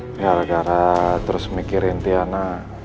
gara gara terus mikirin tiana